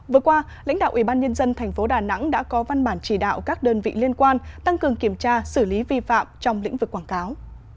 vừa qua lãnh đạo ủy ban nhân dân thành phố đà nẵng đã có văn bản chỉ đạo các đơn vị liên quan tăng cường kiểm tra xử lý vi phạm trong lĩnh vực quảng cáo